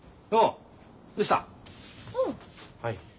はい。